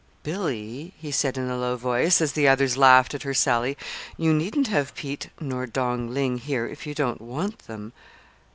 "Billy," he said in a low voice, as the others laughed at her sally, "you needn't have Pete nor Dong Ling here if you don't want them."